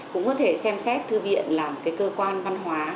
cũng có thể xem xét thư viện là một cái cơ quan văn hóa